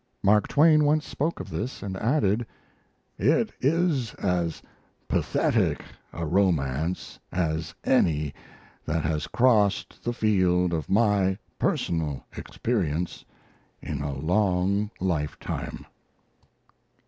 Mark Twain once spoke of this, and added: "It is as pathetic a romance as any that has crossed the field of my personal experience in a long lifetime."